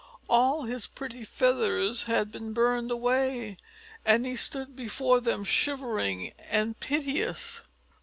All his pretty feathers had been burned away, and he stood before them shivering and piteous.